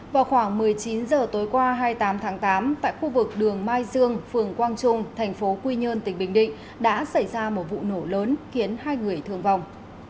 vào khoảng một mươi chín h tối qua hai mươi tám tháng tám tại khu vực đường mai dương phường quang trung thành phố quy nhơn tỉnh bình định đã xảy ra một vụ nổ lớn khiến hai người thương vong